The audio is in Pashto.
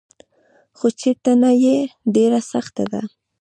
خو چي ته نه يي ډيره سخته ده